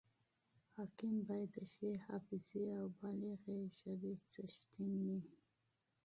حاکم باید د ښې حافظي او بلیغي ژبي څښتن يي.